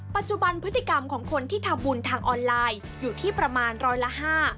ปัจจุบันพฤติกรรมของคนที่ทำบุญทางออนไลน์อยู่ที่ประมาณร้อยละห้า